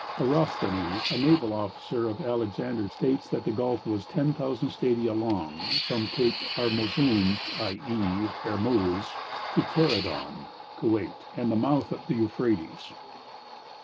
Eratosthenes, a naval officer of Alexander's, states that the Gulf was 10,000 stadia long from Cape Armozum, i.e. Hormuz, to Teredon (Koweit), and the mouth of the Euphrates.